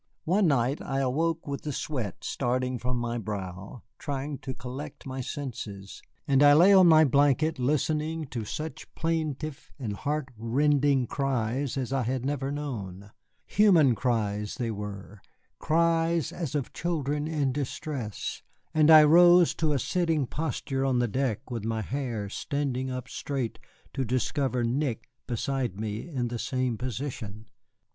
One night I awoke with the sweat starting from my brow, trying to collect my senses, and I lay on my blanket listening to such plaintive and heart rending cries as I had never known. Human cries they were, cries as of children in distress, and I rose to a sitting posture on the deck with my hair standing up straight, to discover Nick beside me in the same position.